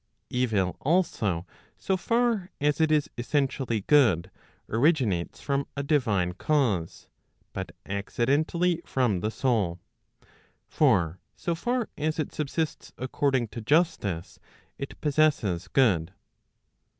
Evil also so far as it is essentially good, originates from a divine cause, but accidentally from the soul. For so far as it subsists according to justice, it possesses good.